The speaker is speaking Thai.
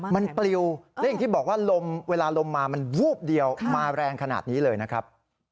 มันปลิวและอย่างที่บอกว่าลมเวลาลมมามันวูบเดียวมาแรงขนาดนี้เลยนะครับ